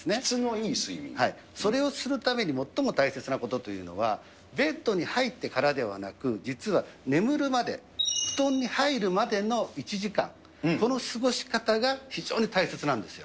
それをするために最も大切なことというのは、ベッドに入ってからではなく、実は眠るまで、布団に入るまでの１時間、この過ごし方が非常に大切なんですよ。